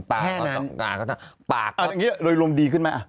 แค่นั้นอ่ะอย่างนี้เลยรมดีขึ้นไหม